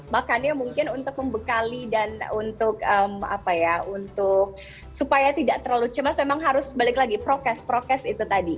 makannya mungkin untuk membekali dan untuk apa ya untuk supaya tidak terlalu cemas memang harus balik lagi prokes prokes itu tadi